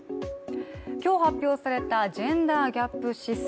今日発表されたジェンダーギャップ指数。